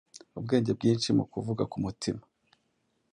Ubwenge bwinshi mukuvuga kumutima